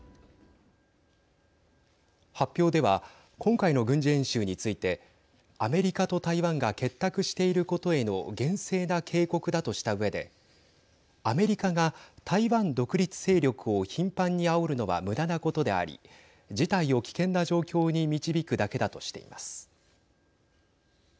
発表では今回の軍事演習についてアメリカと台湾が結託していることへの厳正な警告だとしたうえでアメリカが台湾独立勢力を頻繁にあおるのはむだなことであり事態を危険な状況に導くだけだとしています。